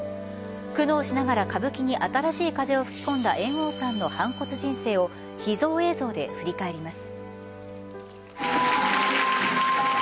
苦悩しながら歌舞伎に新しい風を吹き込んだ猿翁さんの反骨人生を秘蔵映像で振り返ります。